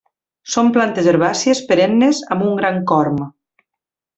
Són plantes herbàcies perennes amb un gran corm.